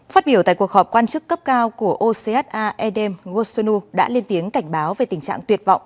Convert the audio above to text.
phát biểu tại cuộc họp quan chức cấp cao của ocha edem gosnu đã lên tiếng cảnh báo về tình trạng tuyệt vọng